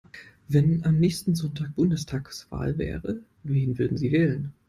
Wenn am nächsten Sonntag Bundestagswahl wäre, wen würden Sie wählen?